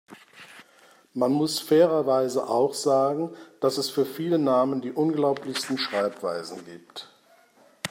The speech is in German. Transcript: Man muss fairerweise auch sagen, dass es für viele Namen die unglaublichsten Schreibweisen gibt.